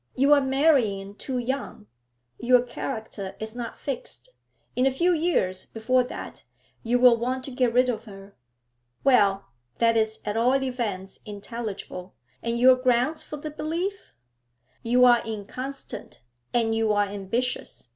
You are marrying too young. Your character is not fixed. In a few years, before that, you will want to get rid of her.' 'Well, that is at all events intelligible. And your grounds for the belief?' 'You are inconstant, and you are ambitious.